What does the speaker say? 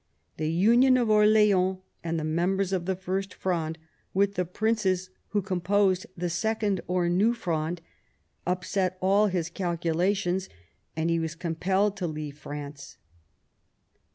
The imion of Orleans and the members of the First Fronde with the princes who composed the Second or New Fronde upset all his calculations, and he was compelled to leave France.